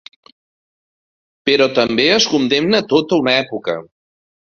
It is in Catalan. Però també es condemna tota una època.